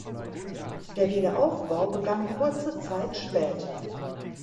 Der Wiederaufbau begann kurze Zeit später.